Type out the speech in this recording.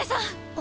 あ？